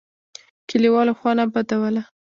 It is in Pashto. کلیوالو خوا نه بدوله.